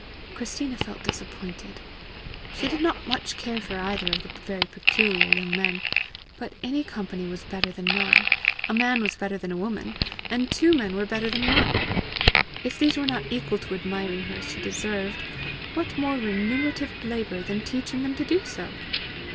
Christina felt disappointed. She did not much care for either of the very peculiar young men, but any company was better than none; a man was better than a woman; and two men were better than one! If these were not equal to admiring her as she deserved, what more remunerative labour than teaching them to do so?